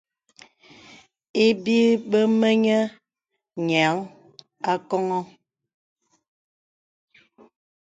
Ibi bə mə nyə nyèaŋ akɔŋɔ.